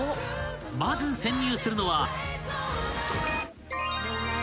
［まず潜入するのは］